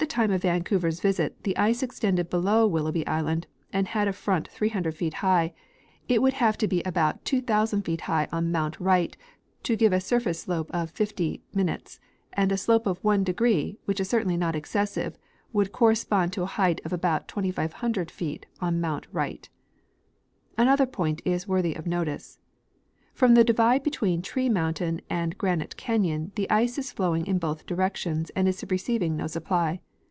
time of Vancouver's visit the ice extended below Willoughb}^ island and had a front 300 feet high, it would have to be about 2,000 feet high on mount Wright to give a surface slope of 50' ; and a slope of 1°, which is certainly not excessive^ would corre spond to a height of about 2,500 feet on mount Wright. Another point is worthy of notice. From the divide between Tree mountain and Granite canyon the ice is flowing in both directions and is receiving no supply.